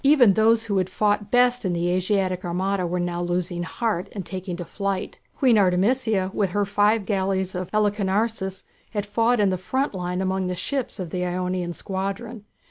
Even those who had fought best in the Asiatic armada were now losing heart and taking to flight. Queen Artemisia, with her five galleys of Halicarnassus, had fought in the front line among the ships of the Ionian squadron.